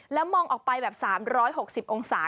แล้วมองออกไปแบบ๓๖๐องศา